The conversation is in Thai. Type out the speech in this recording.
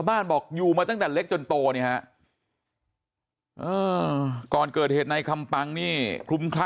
ก็บ้านบอกอยู่มาตั้งแต่เล็กจนโตนี่ฮะ